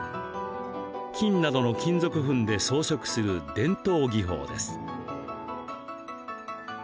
金などの金属粉で装飾する伝統技法です。